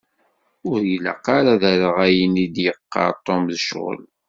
Ur y-ilaq ara ad rreɣ ayen i d-yeqqar Tom d ccɣel.